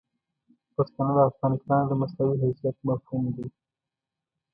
پښتانه د افغانستان د مساوي حیثیت مفهوم دي.